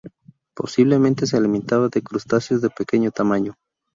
Posiblemente se alimentaba de crustáceos de pequeño tamaño.